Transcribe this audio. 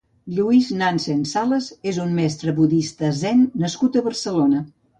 Lluís Nansen Salas és un mestre Budisme Zen nascut a Barcelona.